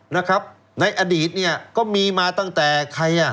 ในอดีตก็มีมาตั้งแต่ใครอ่ะ